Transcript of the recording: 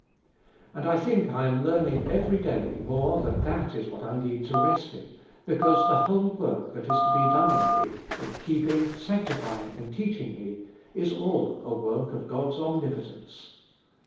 And I think I am learning every day more that that is what I need to rest in, because the whole work that is to be done in me, in keeping , sanctifying and teaching me, is all a work of God's omnipotence.